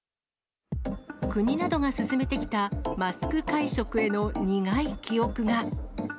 国などが進めてきたマスク会食への苦い記憶が。